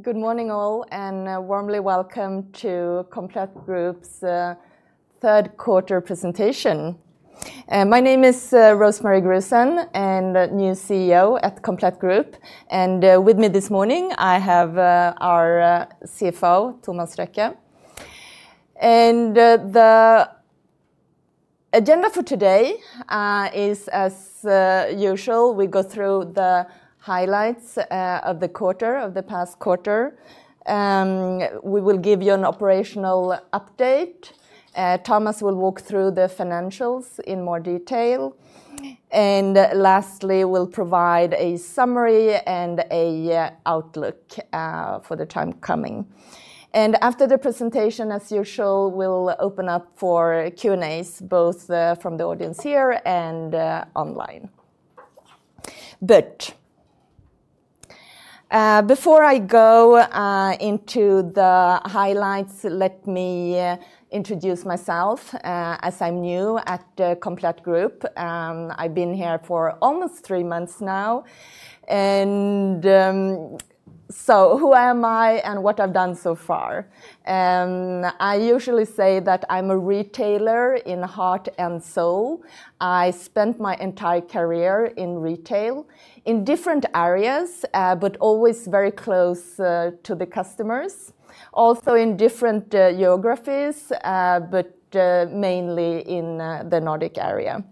Good morning all, and warmly welcome to Komplett Group's third quarter presentation. My name is Ros-Marie Grusén, and the new CEO at Komplett Group. With me this morning, I have our CFO, Thomas Røkke. The agenda for today is, as usual, we go through the highlights of the quarter, of the past quarter. We will give you an operational update. Thomas will walk through the financials in more detail. Lastly, we'll provide a summary and an outlook for the time coming. After the presentation, as usual, we'll open up for Q&As, both from the audience here and online. Before I go into the highlights, let me introduce myself. As I'm new at Komplett Group, I've been here for almost three months now. Who am I and what I've done so far? I usually say that I'm a retailer in heart and soul. I spent my entire career in retail in different areas, but always very close to the customers. Also in different geographies, but mainly in the Nordic area.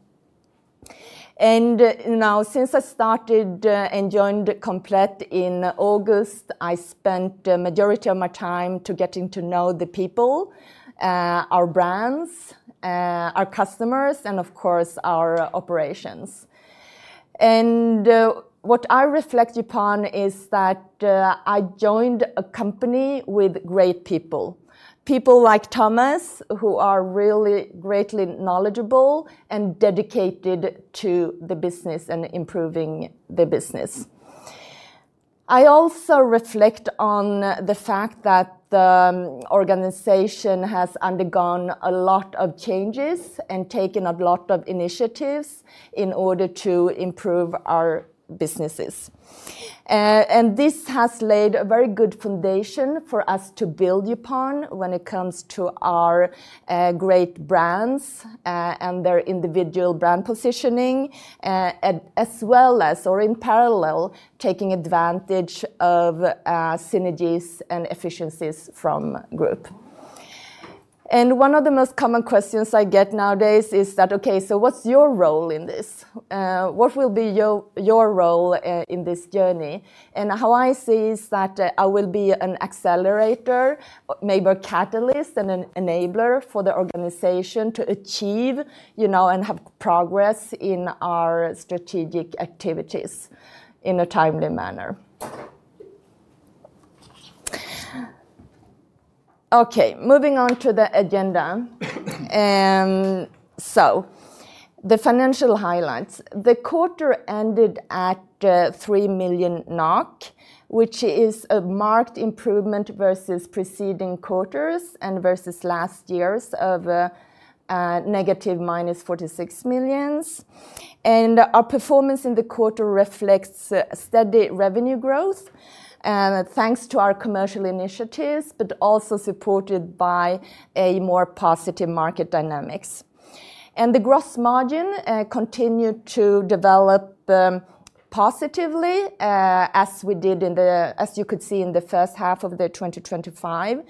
Since I started and joined Komplett in August, I spent the majority of my time getting to know the people, our brands, our customers, and of course, our operations. What I reflect upon is that I joined a company with great people. People like Thomas, who are really greatly knowledgeable and dedicated to the business and improving the business. I also reflect on the fact that the organization has undergone a lot of changes and taken a lot of initiatives in order to improve our businesses. This has laid a very good foundation for us to build upon when it comes to our great brands and their individual brand positioning, as well as, or in parallel, taking advantage of synergies and efficiencies from the group. One of the most common questions I get nowadays is that, okay, so what's your role in this? What will be your role in this journey? How I see is that I will be an accelerator, maybe a catalyst, and an enabler for the organization to achieve, you know, and have progress in our strategic activities in a timely manner. Moving on to the agenda. The financial highlights. The quarter ended at 3 million NOK, which is a marked improvement versus preceding quarters and versus last year's of a negative minus 46 million. Our performance in the quarter reflects steady revenue growth, thanks to our commercial initiatives, but also supported by more positive market dynamics. The gross margin continued to develop positively, as we did in the, as you could see in the first half of 2025.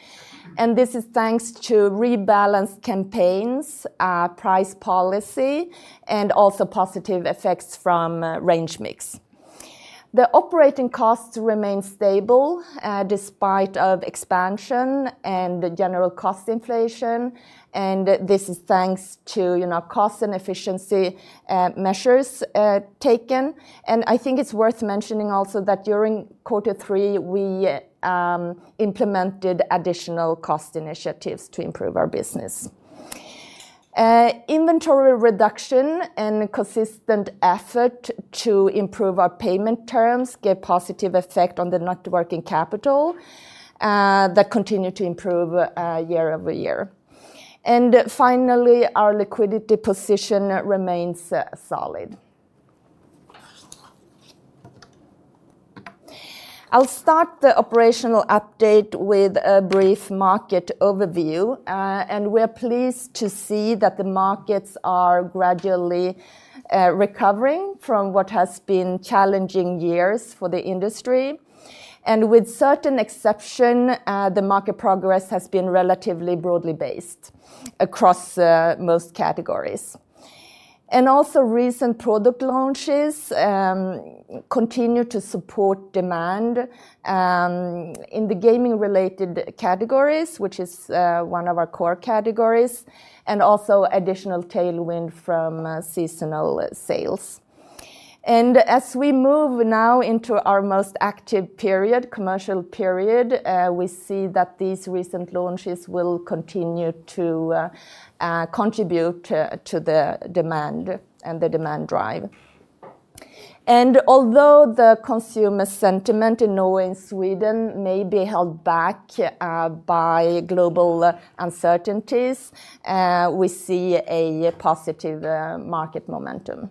This is thanks to rebalanced campaigns, price policy, and also positive effects from range mix. The operating costs remain stable despite expansion and the general cost inflation. This is thanks to, you know, cost and efficiency measures taken. I think it's worth mentioning also that during quarter three, we implemented additional cost initiatives to improve our business. Inventory reduction and consistent effort to improve our payment terms gave positive effect on the net working capital that continued to improve year-over-year. Finally, our liquidity position remains solid. I'll start the operational update with a brief market overview. We are pleased to see that the markets are gradually recovering from what has been challenging years for the industry. With certain exceptions, the market progress has been relatively broadly based across most categories. Also, recent product launches continue to support demand in the gaming-related categories, which is one of our core categories, and also additional tailwind from seasonal sales. As we move now into our most active period, commercial period, we see that these recent launches will continue to contribute to the demand and the demand drive. Although the consumer sentiment in Norway and Sweden may be held back by global uncertainties, we see a positive market momentum.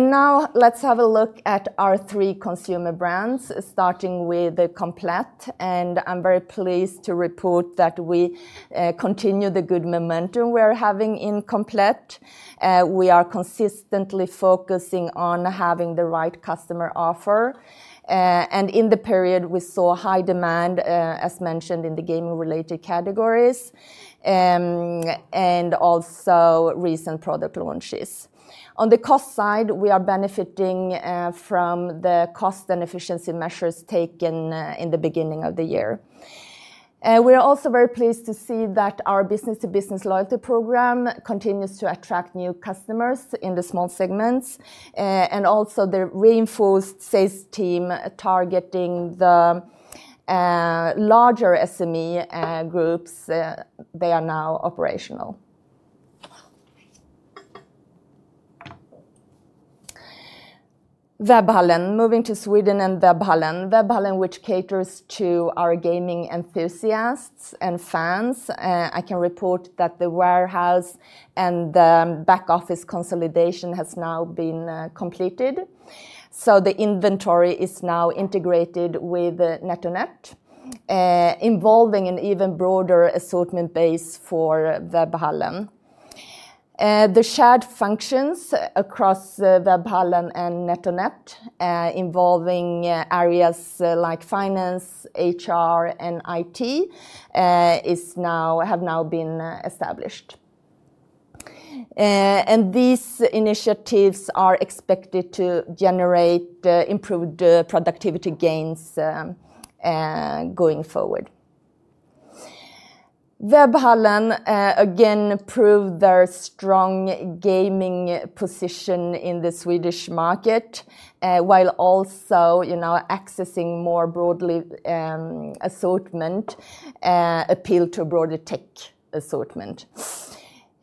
Now let's have a look at our three consumer brands, starting with Komplett. I'm very pleased to report that we continue the good momentum we're having in Komplett. We are consistently focusing on having the right customer offer. In the period, we saw high demand, as mentioned in the gaming-related categories, and also recent product launches. On the cost side, we are benefiting from the cost and efficiency measures taken in the beginning of the year. We are also very pleased to see that our business-to-business loyalty program continues to attract new customers in the small segments, and also the reinforced sales team targeting the larger SME groups. They are now operational. Webhallen, moving to Sweden and Webhallen. Webhallen, which caters to our gaming enthusiasts and fans. I can report that the warehouse and the back office consolidation has now been completed. The inventory is now integrated with NetOnNet, involving an even broader assortment base for Webhallen. The shared functions across Webhallen and NetOnNet, involving areas like finance, HR, and IT, have now been established. These initiatives are expected to generate improved productivity gains going forward. Webhallen again proved their strong gaming position in the Swedish market, while also accessing more broadly assortment, appeal to a broader tech assortment.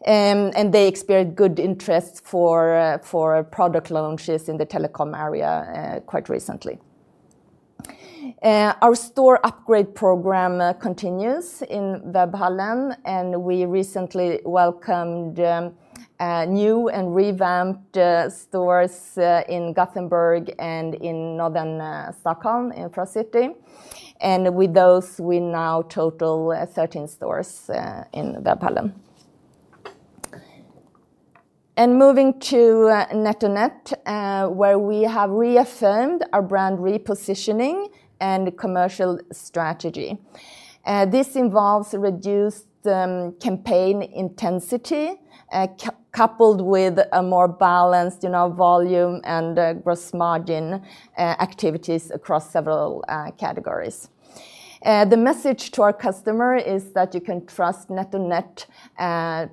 They experienced good interest for product launches in the telecom area quite recently. Our store upgrade program continues in Webhallen, and we recently welcomed new and revamped stores in Gothenburg and in northern Stockholm, in Frost City. With those, we now total 13 stores in Webhallen. Moving to NetOnNet, we have reaffirmed our brand repositioning and commercial strategy. This involves reduced campaign intensity, coupled with a more balanced volume and gross margin activities across several categories. The message to our customer is that you can trust NetOnNet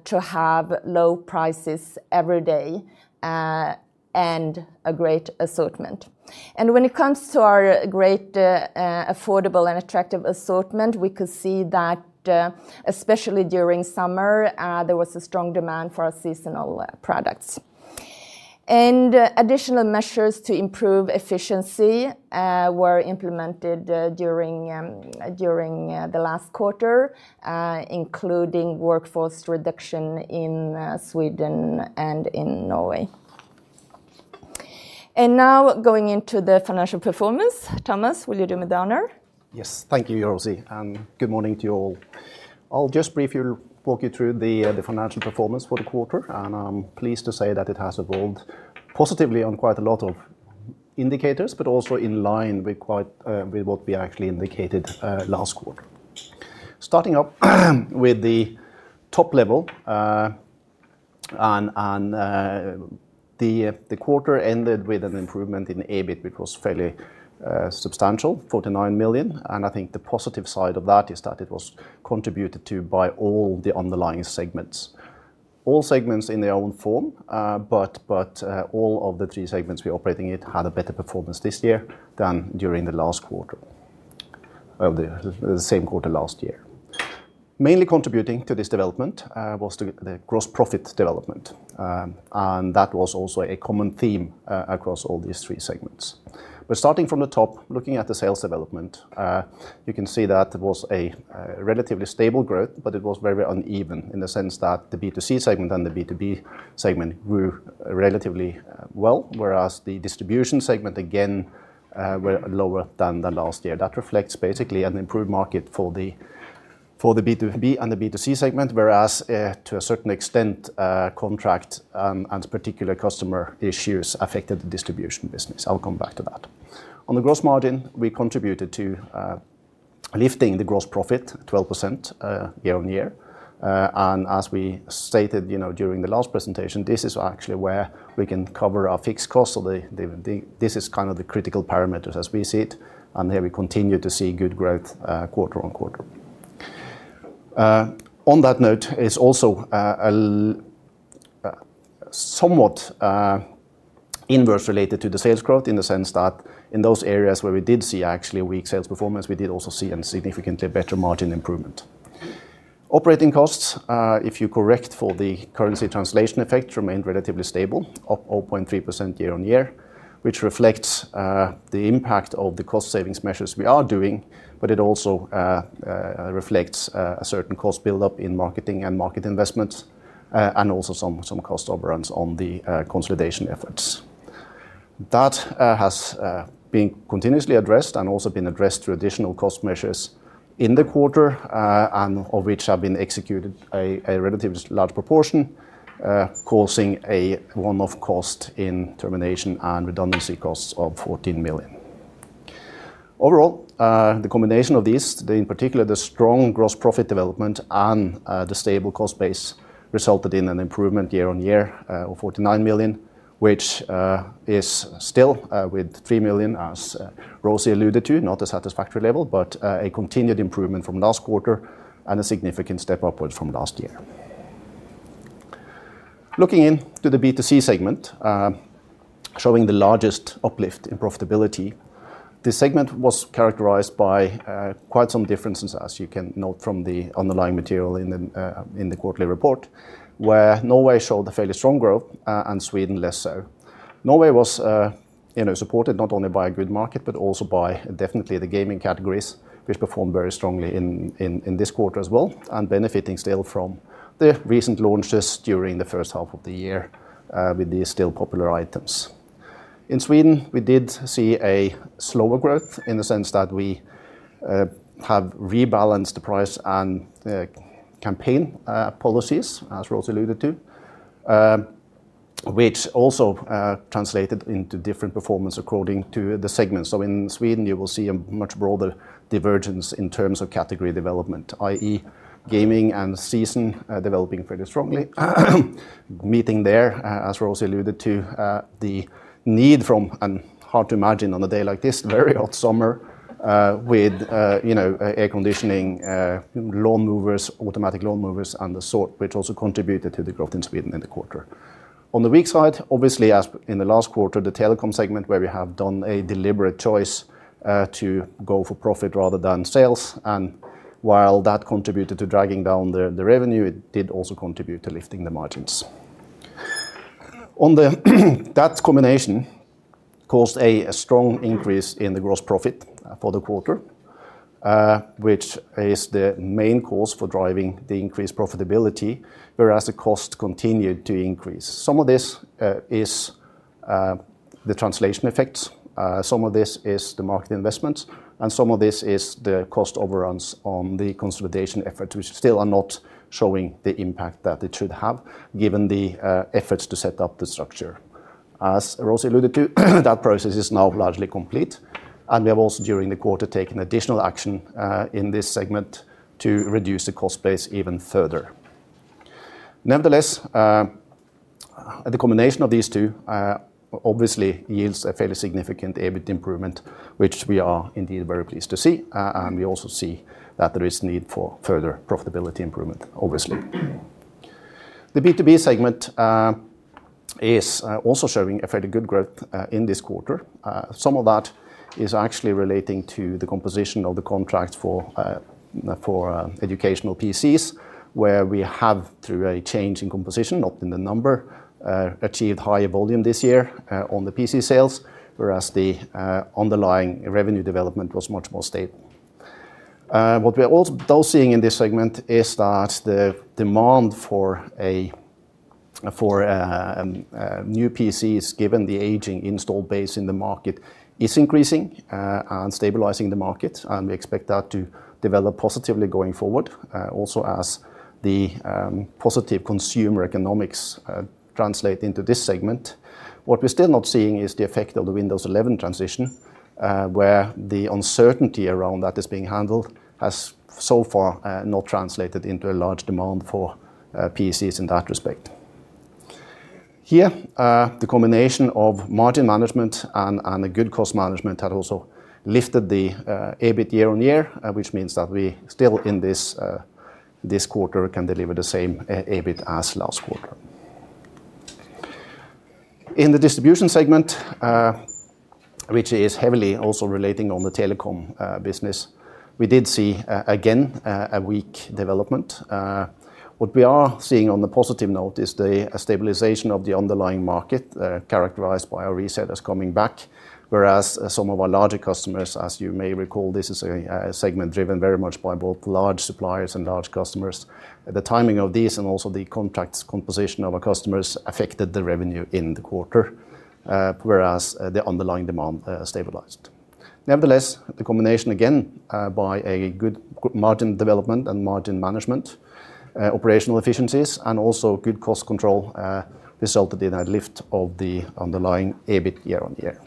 to have low prices every day and a great assortment. When it comes to our great, affordable, and attractive assortment, we could see that especially during summer, there was a strong demand for our seasonal products. Additional measures to improve efficiency were implemented during the last quarter, including workforce reduction in Sweden and in Norway. Now going into the financial performance, Thomas, will you do me the honor? Yes, thank you, Rosie, and good morning to you all. I'll just briefly walk you through the financial performance for the quarter, and I'm pleased to say that it has evolved positively on quite a lot of indicators, but also in line with what we actually indicated last quarter. Starting up with the top level, the quarter ended with an improvement in EBIT, which was fairly substantial, 49 million. I think the positive side of that is that it was contributed to by all the underlying segments. All segments in their own form, but all of the three segments we operate in had a better performance this year than during the last quarter, the same quarter last year. Mainly contributing to this development was the gross profit development, and that was also a common theme across all these three segments. Starting from the top, looking at the sales development, you can see that it was a relatively stable growth, but it was very uneven in the sense that the B2C segment and the B2B segment grew relatively well, whereas the distribution segment again was lower than last year. That reflects basically an improved market for the B2B and the B2C segment, whereas to a certain extent, contract and particular customer issues affected the distribution business. I'll come back to that. On the gross margin, we contributed to lifting the gross profit 12% year on year. As we stated during the last presentation, this is actually where we can cover our fixed costs. This is kind of the critical parameters as we see it. Here we continue to see good growth quarter on quarter. On that note, it's also somewhat inverse related to the sales growth in the sense that in those areas where we did see actually a weak sales performance, we did also see a significantly better margin improvement. Operating costs, if you correct for the currency translation effect, remained relatively stable, up 0.3% year on year, which reflects the impact of the cost savings measures we are doing, but it also reflects a certain cost buildup in marketing and market investments, and also some cost overruns on the consolidation efforts. That has been continuously addressed and also been addressed through additional cost measures in the quarter, and of which have been executed a relatively large proportion, causing a one-off cost in termination and redundancy costs of 14 million. Overall, the combination of these, in particular the strong gross profit development and the stable cost base, resulted in an improvement year on year of 49 million, which is still with 3 million, as Ros-Marie alluded to, not a satisfactory level, but a continued improvement from last quarter and a significant step upwards from last year. Looking into the B2C segment, showing the largest uplift in profitability, this segment was characterized by quite some differences, as you can note from the underlying material in the quarterly report, where Norway showed a fairly strong growth and Sweden less so. Norway was supported not only by a good market, but also by definitely the gaming categories, which performed very strongly in this quarter as well, and benefiting still from the recent launches during the first half of the year with these still popular items. In Sweden, we did see a slower growth in the sense that we have rebalanced the price and campaign policies, as Ros-Marie alluded to, which also translated into different performance according to the segments. In Sweden, you will see a much broader divergence in terms of category development, i.e. gaming and season developing fairly strongly, meeting there, as Ros-Marie alluded to, the need from, and hard to imagine on a day like this, very hot summer with, you know, air conditioning, lawnmowers, automatic lawnmowers, and the sort, which also contributed to the growth in Sweden in the quarter. On the weak side, obviously, as in the last quarter, the telecom segment, where we have done a deliberate choice to go for profit rather than sales, and while that contributed to dragging down the revenue, it did also contribute to lifting the margins. That combination caused a strong increase in the gross profit for the quarter, which is the main cause for driving the increased profitability, whereas the costs continued to increase. Some of this is the translation effects, some of this is the market investments, and some of this is the cost overruns on the consolidation efforts, which still are not showing the impact that it should have, given the efforts to set up the structure. As Ros-Marie alluded to, that process is now largely complete, and we have also, during the quarter, taken additional action in this segment to reduce the cost base even further. Nevertheless, the combination of these two obviously yields a fairly significant EBIT improvement, which we are indeed very pleased to see, and we also see that there is a need for further profitability improvement, obviously. The B2B segment is also showing a fairly good growth in this quarter. Some of that is actually relating to the composition of the contracts for educational PCs, where we have, through a change in composition, not in the number, achieved higher volume this year on the PC sales, whereas the underlying revenue development was much more stable. What we're also seeing in this segment is that the demand for new PCs, given the aging install base in the market, is increasing and stabilizing the market, and we expect that to develop positively going forward, also as the positive consumer economics translate into this segment. What we're still not seeing is the effect of the Windows 11 transition, where the uncertainty around that is being handled has so far not translated into a large demand for PCs in that respect. Here, the combination of margin management and good cost management has also lifted the EBIT year on year, which means that we still, in this quarter, can deliver the same EBIT as last quarter. In the distribution segment, which is heavily also relating on the telecom business, we did see again a weak development. What we are seeing on the positive note is the stabilization of the underlying market, characterized by our resellers coming back, whereas some of our larger customers, as you may recall, this is a segment driven very much by both large suppliers and large customers. The timing of these and also the contract composition of our customers affected the revenue in the quarter, whereas the underlying demand stabilized. Nevertheless, the combination again by a good margin development and margin management, operational efficiencies, and also good cost control resulted in a lift of the underlying EBIT year on year.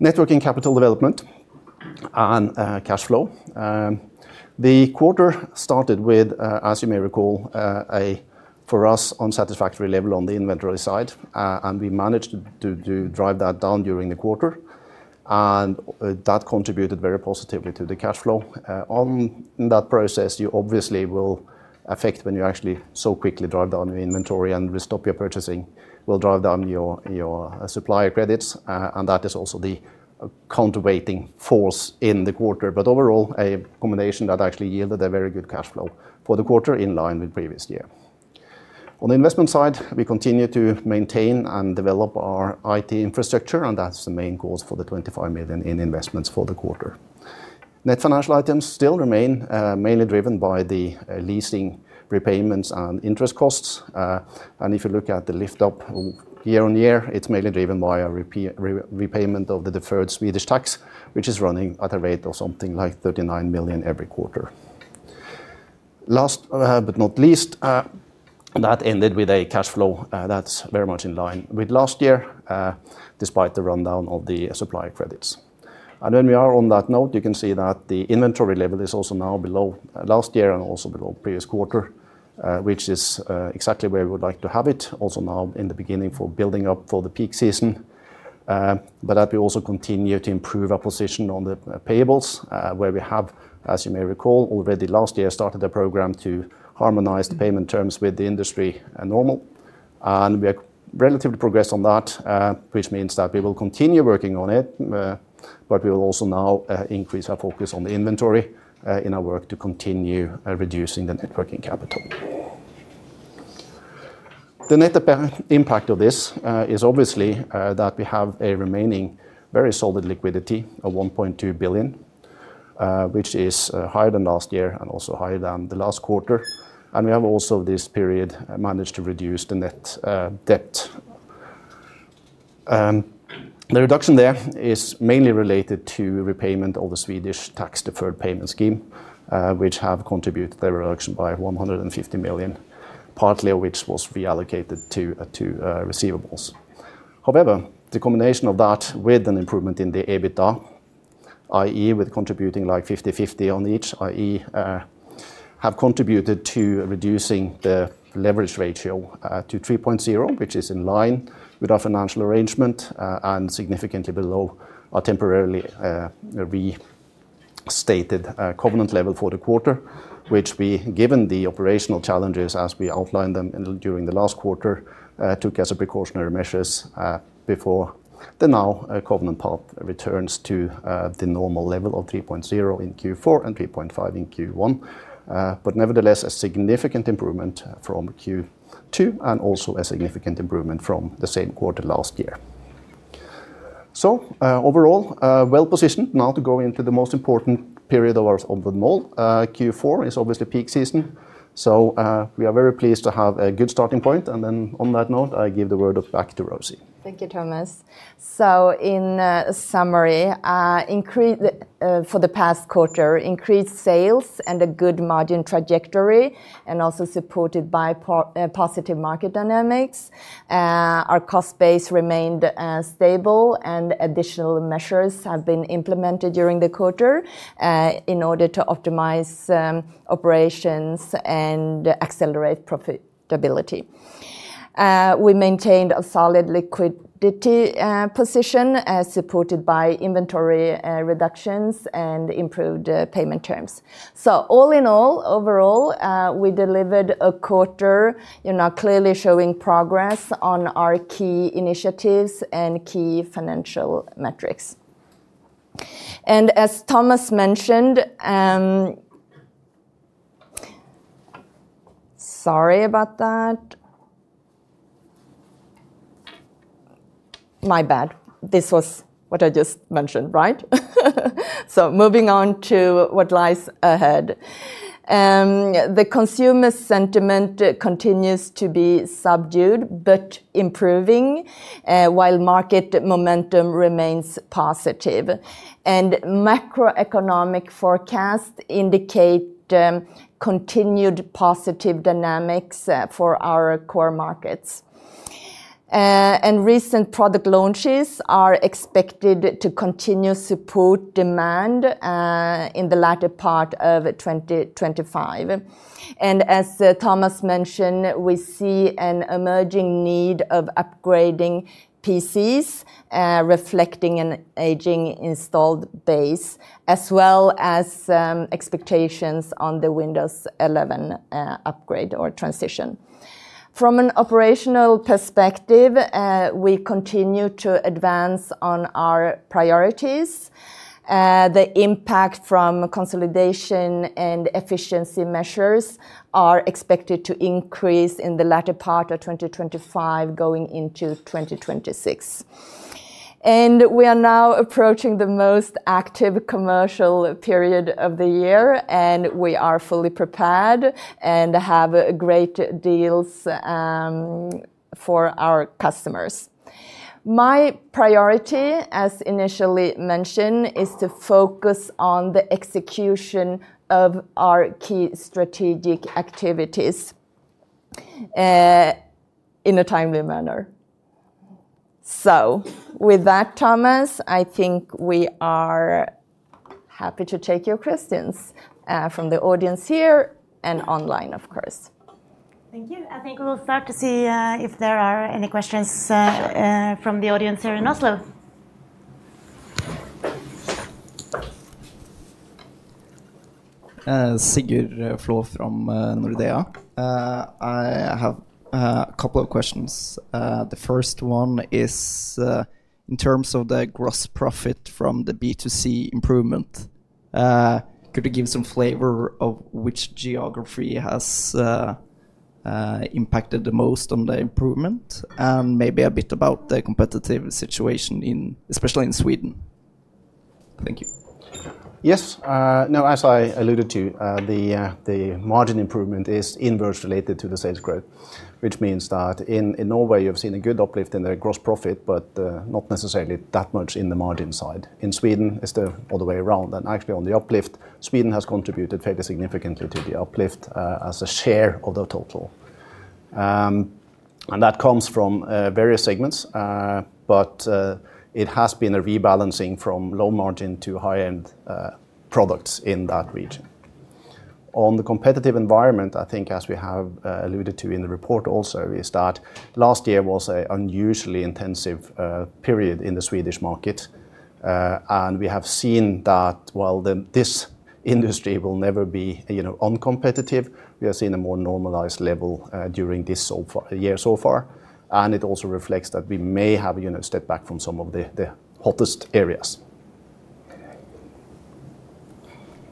Networking capital development and cash flow. The quarter started with, as you may recall, a for us unsatisfactory level on the inventory side, and we managed to drive that down during the quarter, and that contributed very positively to the cash flow. In that process, you obviously will affect when you actually so quickly drive down your inventory and we stop your purchasing, will drive down your supplier credits, and that is also the counterweighting force in the quarter. Overall, a combination that actually yielded a very good cash flow for the quarter in line with the previous year. On the investment side, we continue to maintain and develop our IT infrastructure, and that's the main cause for the 25 million in investments for the quarter. Net financial items still remain mainly driven by the leasing repayments and interest costs, and if you look at the lift up year on year, it's mainly driven by a repayment of the deferred Swedish tax, which is running at a rate of something like 39 million every quarter. Last but not least, that ended with a cash flow that's very much in line with last year, despite the rundown of the supplier credits. When we are on that note, you can see that the inventory level is also now below last year and also below the previous quarter, which is exactly where we would like to have it, also now in the beginning for building up for the peak season. We also continue to improve our position on the payables, where we have, as you may recall, already last year started a program to harmonize the payment terms with the industry normal, and we have relatively progressed on that, which means that we will continue working on it, but we will also now increase our focus on the inventory in our work to continue reducing the net working capital. The net impact of this is obviously that we have a remaining very solid liquidity of 1.2 billion, which is higher than last year and also higher than the last quarter, and we have also this period managed to reduce the net debt. The reduction there is mainly related to repayment of the Swedish tax deferred payment scheme, which has contributed their reduction by 150 million, partly of which was reallocated to receivables. However, the combination of that with an improvement in the EBITDA, i.e. with contributing like 50-50 on each, i.e. have contributed to reducing the leverage ratio to 3.0, which is in line with our financial arrangement and significantly below our temporarily restated covenant level for the quarter, which we, given the operational challenges as we outlined them during the last quarter, took as a precautionary measure before the now covenant part returns to the normal level of 3.0 in Q4 and 3.5 in Q1. Nevertheless, a significant improvement from Q2 and also a significant improvement from the same quarter last year. Overall, well positioned. Now to go into the most important period of the mall, Q4 is obviously peak season. We are very pleased to have a good starting point. On that note, I give the word back to Rosie. Thank you, Thomas. In summary, for the past quarter, increased sales and a good margin trajectory, also supported by positive market dynamics, our cost base remained stable and additional measures have been implemented during the quarter in order to optimize operations and accelerate profitability. We maintained a solid liquidity position supported by inventory reductions and improved payment terms. All in all, overall, we delivered a quarter clearly showing progress on our key initiatives and key financial metrics. As Thomas mentioned, my bad. This was what I just mentioned, right? Moving on to what lies ahead. The consumer sentiment continues to be subdued but improving, while market momentum remains positive. Macroeconomic forecasts indicate continued positive dynamics for our core markets. Recent product launches are expected to continue to support demand in the latter part of 2025. As Thomas mentioned, we see an emerging need of upgrading PCs reflecting an aging installed base, as well as expectations on the Windows 11 upgrade or transition. From an operational perspective, we continue to advance on our priorities. The impact from consolidation and efficiency measures is expected to increase in the latter part of 2025, going into 2026. We are now approaching the most active commercial period of the year, and we are fully prepared and have great deals for our customers. My priority, as initially mentioned, is to focus on the execution of our key strategic activities in a timely manner. With that, Thomas, I think we are happy to take your questions from the audience here and online, of course. Thank you. I think we'll start to see if there are any questions from the audience here in Oslo. I have a couple of questions. The first one is in terms of the gross profit from the B2C improvement. Could you give some flavor of which geography has impacted the most on the improvement? Maybe a bit about the competitive situation, especially in Sweden. Thank you. Yes. As I alluded to, the margin improvement is inverse related to the sales growth, which means that in Norway you've seen a good uplift in the gross profit, but not necessarily that much in the margin side. In Sweden, it's the other way around. Actually, on the uplift, Sweden has contributed fairly significantly to the uplift as a share of the total. That comes from various segments, but it has been a rebalancing from low margin to high-end products in that region. On the competitive environment, as we have alluded to in the report also, last year was an unusually intensive period in the Swedish market. We have seen that this industry will never be uncompetitive. We have seen a more normalized level during this year so far. It also reflects that we may have a step back from some of the hottest areas.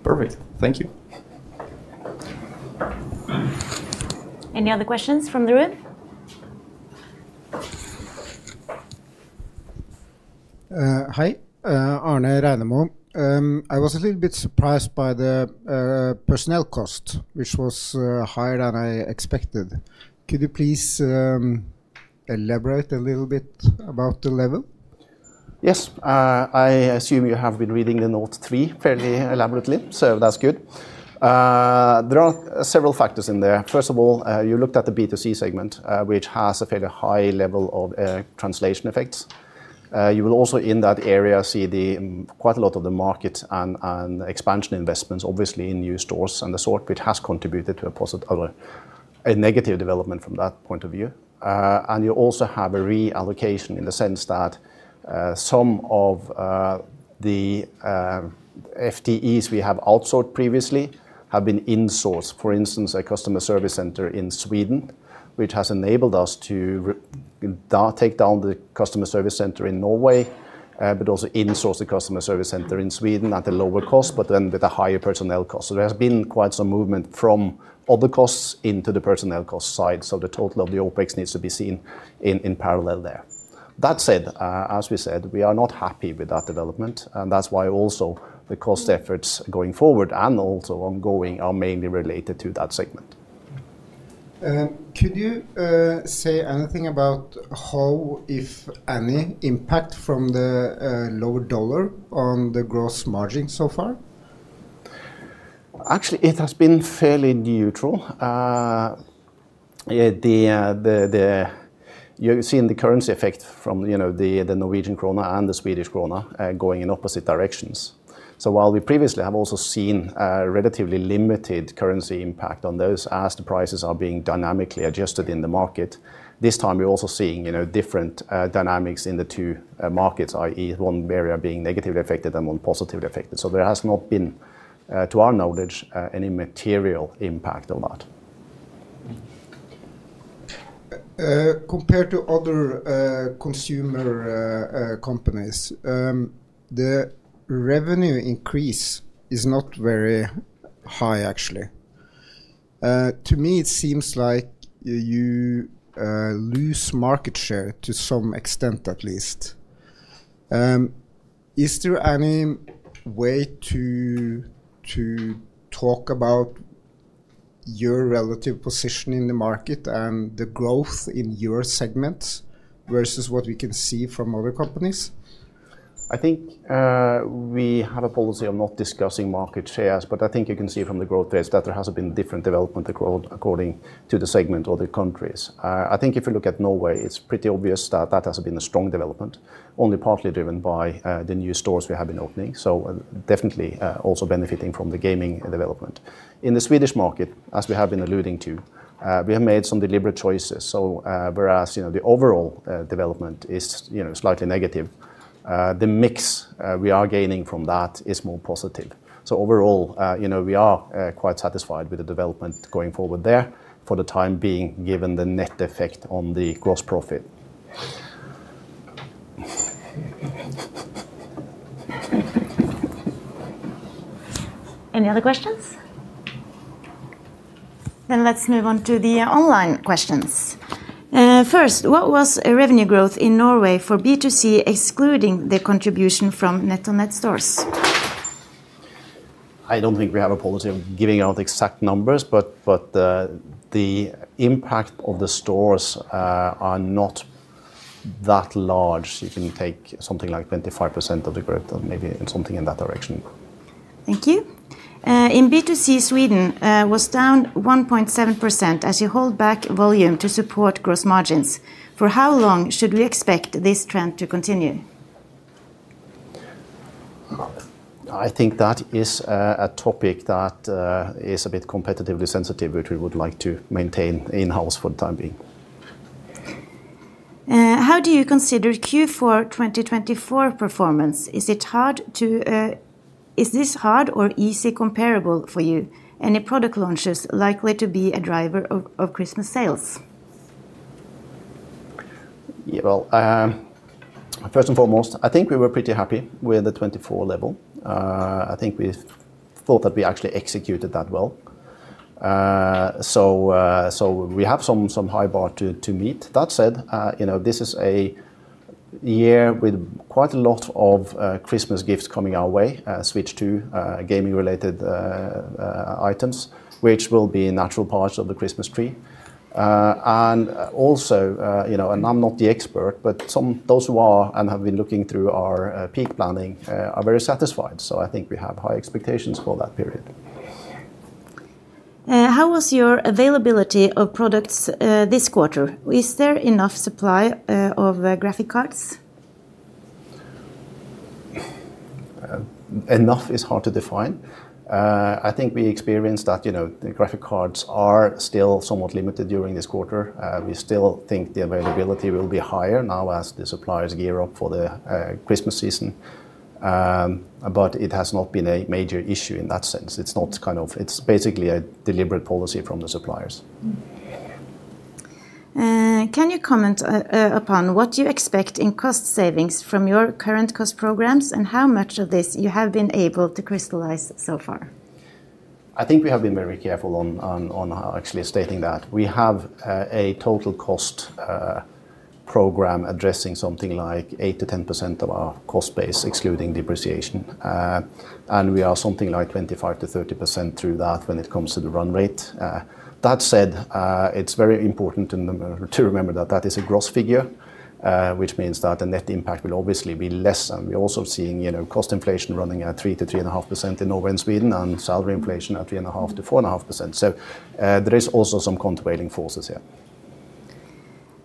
Perfect. Thank you. Any other questions from the room? Hi, Arne Reinemo. I was a little bit surprised by the personnel cost, which was higher than I expected. Could you please elaborate a little bit about the level? Yes. I assume you have been reading the note three fairly elaborately, so that's good. There are several factors in there. First of all, you looked at the B2C segment, which has a fairly high level of translation effects. You will also, in that area, see quite a lot of the market and expansion investments, obviously in new stores and the sort, which has contributed to a positive or a negative development from that point of view. You also have a reallocation in the sense that some of the FTEs we have outsourced previously have been insourced. For instance, a customer service center in Sweden, which has enabled us to take down the customer service center in Norway, but also insource the customer service center in Sweden at a lower cost, but then with a higher personnel cost. There has been quite some movement from other costs into the personnel cost side. The total of the OpEx needs to be seen in parallel there. That said, as we said, we are not happy with that development. That's why also the cost efforts going forward and also ongoing are mainly related to that segment. Could you say anything about how, if any, impact from the lower dollar on the gross margin so far? Actually, it has been fairly neutral. You've seen the currency effect from the Norwegian krona and the Swedish krona going in opposite directions. While we previously have also seen a relatively limited currency impact on those, as the prices are being dynamically adjusted in the market, this time you're also seeing different dynamics in the two markets, i.e. one area being negatively affected and one positively affected. There has not been, to our knowledge, any material impact on that. Compared to other consumer companies, the revenue increase is not very high, actually. To me, it seems like you lose market share to some extent, at least. Is there any way to talk about your relative position in the market and the growth in your segments versus what we can see from other companies? I think we have a policy of not discussing market shares, but I think you can see from the growth rates that there has been different development according to the segment or the countries.I think if you look at Norway, it's pretty obvious that that has been a strong development, only partly driven by the new stores we have been opening. Definitely also benefiting from the gaming development. In the Swedish market, as we have been alluding to, we have made some deliberate choices. Whereas the overall development is slightly negative, the mix we are gaining from that is more positive. Overall, we are quite satisfied with the development going forward there for the time being, given the net effect on the gross profit. Any other questions? Let's move on to the online questions. First, what was revenue growth in Norway for B2C, excluding the contribution from NetOnNet stores? I don't think we have a policy of giving out exact numbers, but the impact of the stores is not that large. You can take something like 25% of the growth and maybe something in that direction. Thank you. In B2C, Sweden was down 1.7% as you hold back volume to support gross margins. For how long should we expect this trend to continue? I think that is a topic that is a bit competitively sensitive, which we would like to maintain in-house for the time being. How do you consider Q4 2024 performance? Is this hard or easy comparable for you? Any product launches likely to be a driver of Christmas sales? First and foremost, I think we were pretty happy with the 2024 level. I think we thought that we actually executed that well, so we have some high bar to meet. That said, this is a year with quite a lot of Christmas gifts coming our way, switched to gaming-related items, which will be a natural part of the Christmas tree. Also, I'm not the expert, but those who are and have been looking through our peak planning are very satisfied. I think we have high expectations for that period. How was your availability of products this quarter? Is there enough supply of graphic cards? Enough is hard to define. I think we experienced that the graphic cards are still somewhat limited during this quarter. We still think the availability will be higher now as the suppliers gear up for the Christmas season. It has not been a major issue in that sense. It's basically a deliberate policy from the suppliers. Can you comment upon what you expect in cost savings from your current cost programs, and how much of this you have been able to crystallize so far? I think we have been very careful on actually stating that. We have a total cost program addressing something like 8% to 10% of our cost base, excluding depreciation. We are something like 25%-30% through that when it comes to the run rate. That said, it's very important to remember that that is a gross figure, which means that the net impact will obviously be less. We're also seeing cost inflation running at 3%-3.5% in Norway and Sweden and salary inflation at 3.5%-4.5%. There are also some contravailing forces here.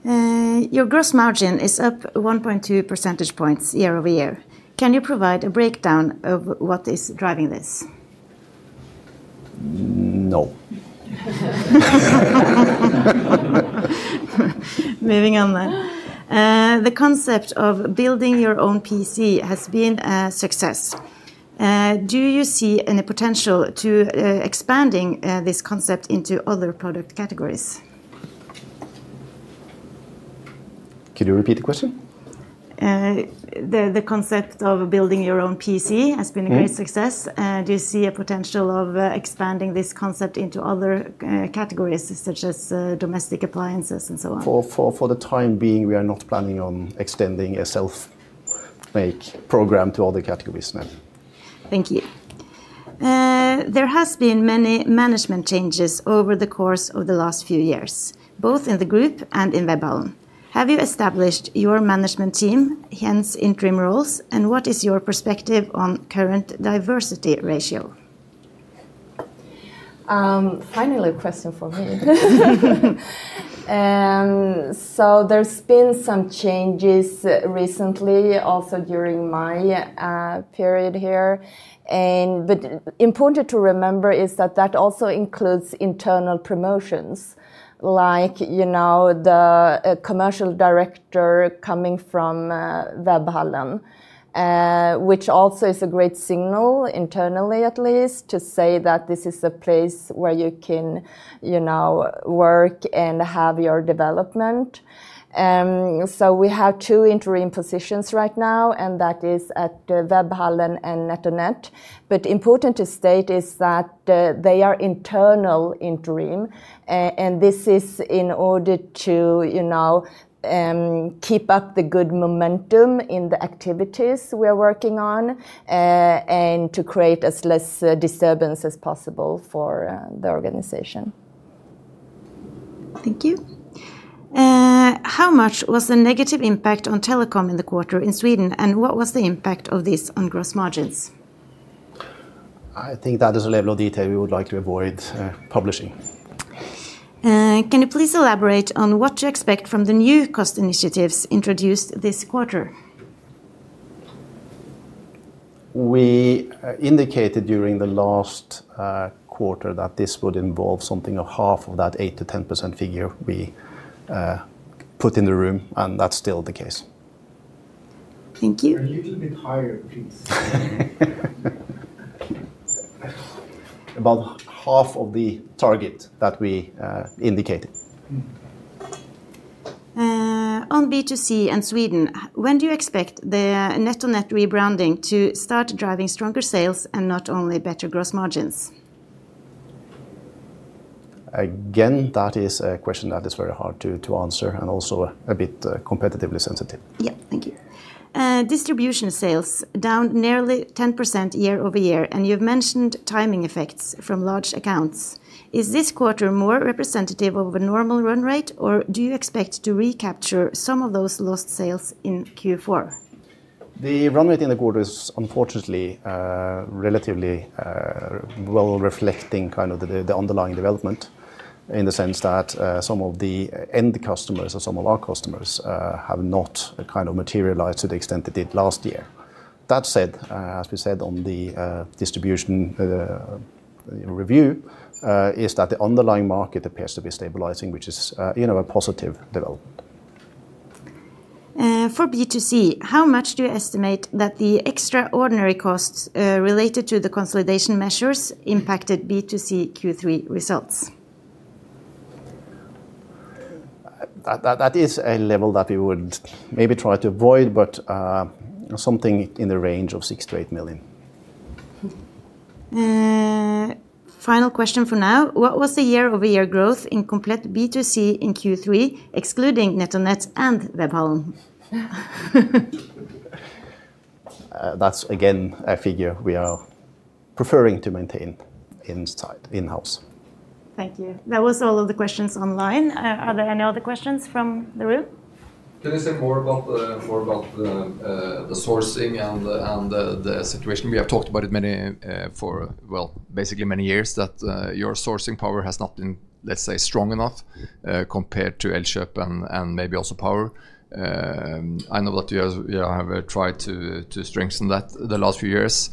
Your gross margin is up 1.2% year-over-year. Can you provide a breakdown of what is driving this? No. Moving on. The concept of building your own PC has been a success. Do you see any potential to expanding this concept into other product categories? Could you repeat the question? The concept of building your own PC has been a great success. Do you see a potential of expanding this concept into other categories, such as domestic appliances and so on? For the time being, we are not planning on extending a self-made program to other categories now. Thank you. There have been many management changes over the course of the last few years, both in the group and in Webhallen. Have you established your management team, hence interim roles, and what is your perspective on current diversity ratio? Finally, a question for me. There's been some changes recently, also during my period here. Important to remember is that that also includes internal promotions, like the Commercial Director coming from Webhallen, which also is a great signal internally, at least, to say that this is a place where you can work and have your development. We have two interim positions right now, and that is at Webhallen and NetOnNet. Important to state is that they are internal interim, and this is in order to keep up the good momentum in the activities we are working on and to create as little disturbance as possible for the organization. Thank you. How much was the negative impact on telecom in the quarter in Sweden, and what was the impact of this on gross margins? I think that is a level of detail we would like to avoid publishing. Can you please elaborate on what you expect from the new cost initiatives introduced this quarter? We indicated during the last quarter that this would involve something of half of that 8% to 10% figure we put in the room, and that's still the case. Thank you. A little bit higher, please. About half of the target that we indicated. On B2C and Sweden, when do you expect the NetOnNet rebranding to start driving stronger sales and not only better gross margins? Again, that is a question that is very hard to answer and also a bit competitively sensitive. Thank you. Distribution sales down nearly 10% year-over-year, and you've mentioned timing effects from large accounts. Is this quarter more representative of a normal run rate, or do you expect to recapture some of those lost sales in Q4? The run rate in the quarter is unfortunately relatively well reflecting kind of the underlying development in the sense that some of the end customers or some of our customers have not kind of materialized to the extent they did last year. That said, as we said on the distribution review, the underlying market appears to be stabilizing, which is a positive development. For B2C, how much do you estimate that the extraordinary costs related to the consolidation measures impacted B2C Q3 results? That is a level that we would maybe try to avoid, but something in the range of 6 million-8 million. Final question for now. What was the year-over-year growth in Komplett B2C in Q3, excluding NetOnNet and Webhallen? That's again a figure we are preferring to maintain in-house. Thank you. That was all of the questions online. Are there any other questions from the room? Can you say more about the sourcing and the situation? We have talked about it for basically many years that your sourcing power has not been, let's say, strong enough compared to Elkjøp and maybe also Power. I know that you have tried to strengthen that the last few years.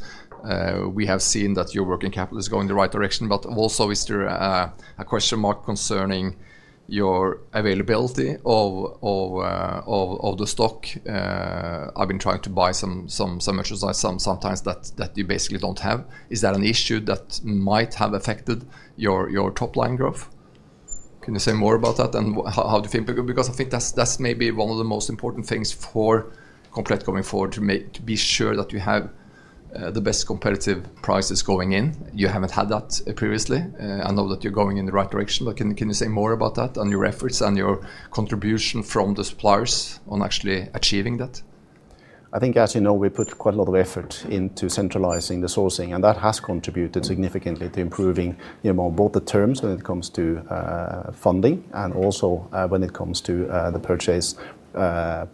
We have seen that your working capital is going in the right direction, but also is there a question mark concerning your availability of the stock? I've been trying to buy some merchandise sometimes that you basically don't have. Is that an issue that might have affected your top line growth? Can you say more about that and how do you think? I think that's maybe one of the most important things for Komplett Group going forward to be sure that you have the best competitive prices going in. You haven't had that previously. I know that you're going in the right direction, but can you say more about that and your efforts and your contribution from the suppliers on actually achieving that? I think, as you know, we put quite a lot of effort into centralizing the sourcing, and that has contributed significantly to improving both the terms when it comes to funding and also when it comes to the purchase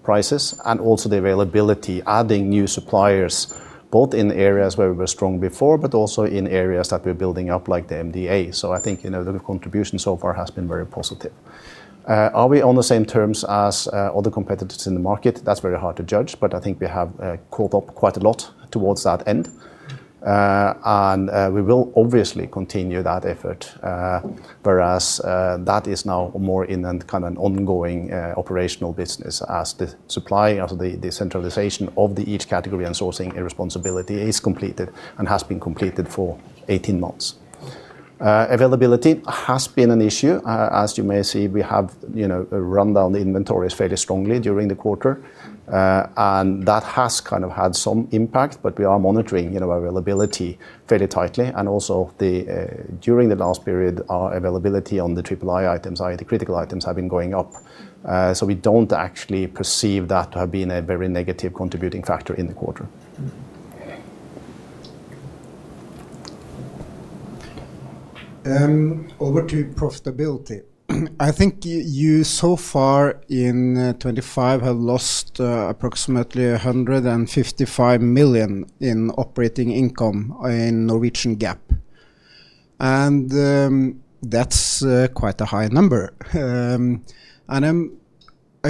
prices and also the availability, adding new suppliers both in areas where we were strong before, but also in areas that we're building up like the MDA. I think the contribution so far has been very positive. Are we on the same terms as other competitors in the market? That's very hard to judge, but I think we have caught up quite a lot towards that end. We will obviously continue that effort, whereas that is now more in kind of an ongoing operational business as the supply of the centralization of each category and sourcing responsibility is completed and has been completed for 18 months. Availability has been an issue. As you may see, we have run down the inventories fairly strongly during the quarter, and that has kind of had some impact, but we are monitoring availability fairly tightly. Also during the last period, our availability on the AAA items, i.e. the critical items, have been going up. We don't actually perceive that to have been a very negative contributing factor in the quarter. Over to profitability. I think you so far in 2025 have lost approximately 155 million in operating income in Norwegian GAAP. That's quite a high number. I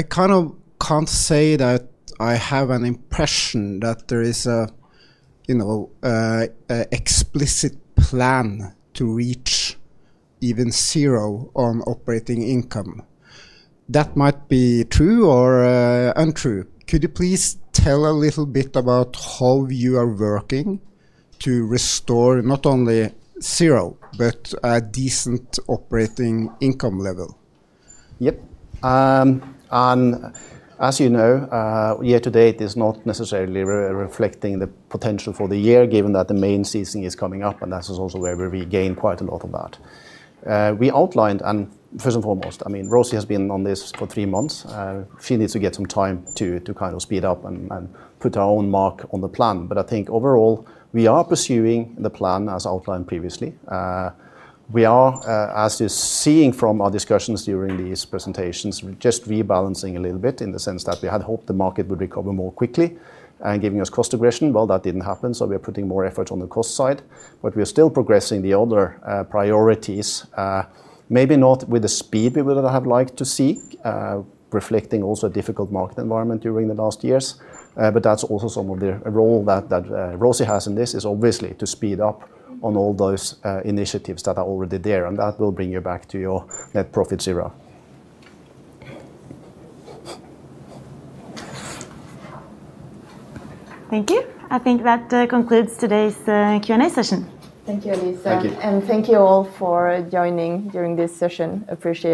can't say that I have an impression that there is an explicit plan to reach even zero on operating income. That might be true or untrue. Could you please tell a little bit about how you are working to restore not only zero, but a decent operating income level? Yep. As you know, year to date is not necessarily reflecting the potential for the year, given that the main season is coming up. That is also where we regain quite a lot of that. We outlined, and first and foremost, I mean, Rosie has been on this for three months. She needs to get some time to kind of speed up and put her own mark on the plan. I think overall, we are pursuing the plan as outlined previously. We are, as you're seeing from our discussions during these presentations, just rebalancing a little bit in the sense that we had hoped the market would recover more quickly and give us cost aggression. That didn't happen. We are putting more effort on the cost side, but we are still progressing the other priorities, maybe not with the speed we would have liked to see, reflecting also a difficult market environment during the last years. That's also some of the role that Rosie has in this, is obviously to speed up on all those initiatives that are already there. That will bring you back to your net profit zero. Thank you. I think that concludes today's Q&A session. Thank you, Alice. Thank you. Thank you all for joining during this session. Appreciate it.